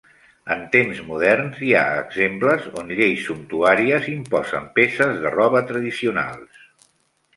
En temps moderns, hi ha exemples on lleis sumptuàries imposen peces de roba tradicionals.